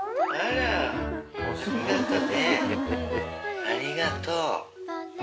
ありがとう。